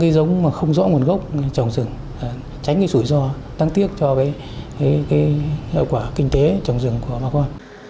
cây giống mà không rõ nguồn gốc trồng rừng tránh cái sủi ro tăng tiết cho cái kinh tế trồng rừng của bà con